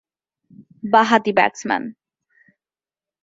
বাঁহাতি ব্যাটসম্যান।